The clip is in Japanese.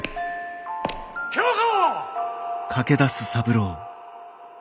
京子！